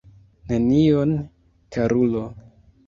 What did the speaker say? Nenion, karulo.